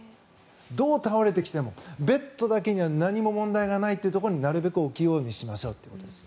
どう倒れてきてもベッドだけには何も問題がないというところになるべく置くようにしましょうということです。